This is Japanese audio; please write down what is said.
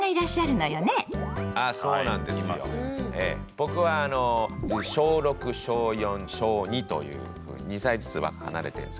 僕は小６小４小２というふうに２歳ずつ離れてるんですけど。